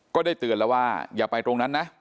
ก็ได้เตือนแล้วว่าอย่าไปตรงนั้นนะ